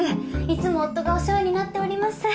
いつも夫がお世話になっております。